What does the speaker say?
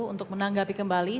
untuk menanggapi kembali